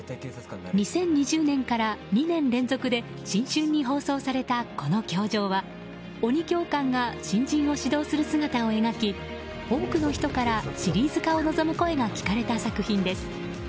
２０２０年から２年連続で新春に放送されたこの「教場」は鬼教官が新人を指導する姿を描き多くの人からシリーズ化を望む声が聞かれた作品です。